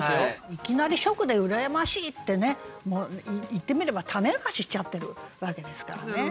いきなり初句で「羨ましい」ってね言ってみれば種明かししちゃってるわけですからね。